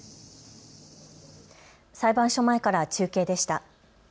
裁判所前から中継でした。